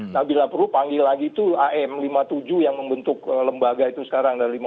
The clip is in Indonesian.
nah bila perlu panggil lagi itu am lima puluh tujuh yang membentuk lembaga itu sekarang